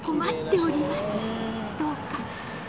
「どうか」